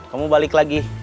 kamu balik lagi